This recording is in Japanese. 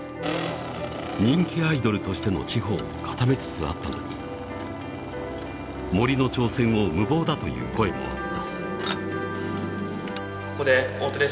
人気アイドルとしての地歩を固めつつあったのに森の挑戦を無謀だという声もあった